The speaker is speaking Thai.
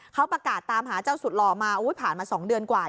เขาประกาศตามหาเจ้าสุดหล่อมาผ่านมา๒เดือนกว่า